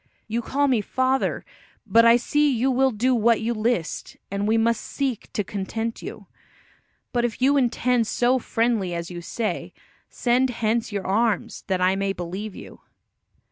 You call me father, but I see you will do what you list, and we must seek to content you. But if you intend so friendly as you say, send hence your arms, that I may believe you."